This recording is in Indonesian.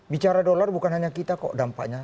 bicara dolar bukan hanya kita kok dampaknya